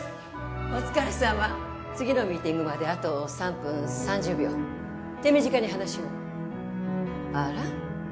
お疲れさま次のミーティングまであと３分３０秒手短に話をあら？